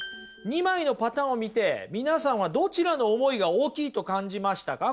２枚のパターンを見て皆さんはどちらの思いが大きいと感じましたか？